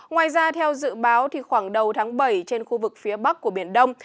ngoài ra theo dự báo khoảng đầu tháng bảy trên khu vực phía bắc của biển đông